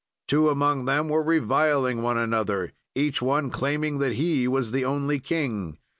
"Two among them were reviling one another, each one claiming that he was the only king.